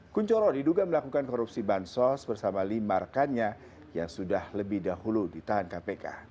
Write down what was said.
kuncorowibowo diduga melakukan korupsi bansos bersama limarkannya yang sudah lebih dahulu ditahan kpk